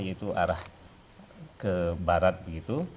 yaitu arah ke barat begitu